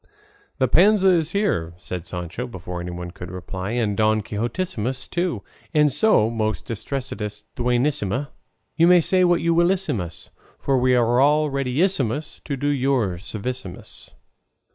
"The Panza is here," said Sancho, before anyone could reply, "and Don Quixotissimus too; and so, most distressedest Duenissima, you may say what you willissimus, for we are all readissimus to do you any servissimus."